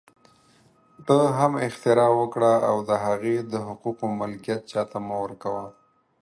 ته هم اختراع وکړه او د هغې د حقوقو ملکیت چا ته مه ورکوه